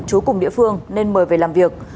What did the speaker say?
trú cùng địa phương nên mời về làm việc